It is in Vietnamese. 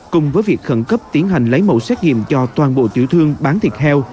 cùng với việc khẩn cấp tiến hành lấy mẫu xét nghiệm cho toàn bộ tiểu thương bán thịt heo